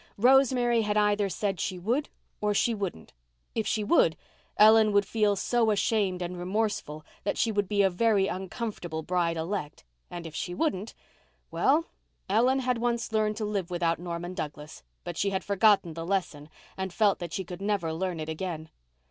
Rosemary had either said she would or she wouldn't. If she would Ellen would feel so ashamed and remorseful that she would be a very uncomfortable bride elect; and if she wouldn't—well, Ellen had once learned to live without Norman Douglas, but she had forgotten the lesson and felt that she could never learn it again.